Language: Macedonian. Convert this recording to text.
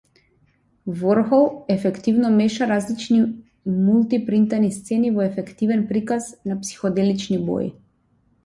Ворхол ефективно меша различни мулти-принтани сцени во ефективен приказ на психоделични бои.